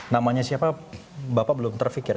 namanya siapa bapak belum terfikir